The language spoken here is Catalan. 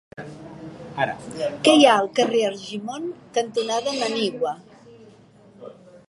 Què hi ha al carrer Argimon cantonada Manigua?